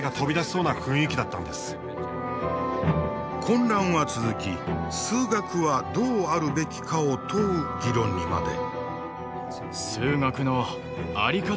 混乱は続き「数学はどうあるべきか」を問う議論にまで。